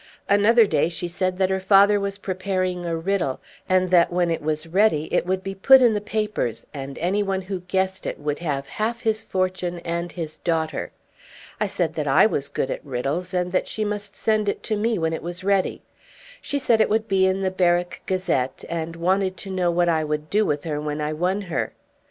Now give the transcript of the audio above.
Another day she said that her father was preparing a riddle, and that when it was ready it would be put in the papers, and anyone who guessed it would have half his fortune and his daughter. I said that I was good at riddles, and that she must send it to me when it was ready. She said it would be in the Berwick Gazette, and wanted to know what I would do with her when I won her.